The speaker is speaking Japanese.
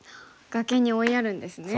崖に追いやるんですね。